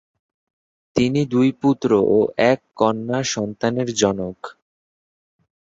তিনি দুই পুত্র ও এক কন্যা সন্তানের জনক।